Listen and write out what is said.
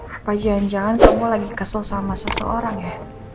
apa jangan jangan kamu lagi kesel sama seseorang ya